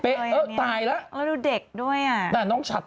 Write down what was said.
เอาแล้วยังไง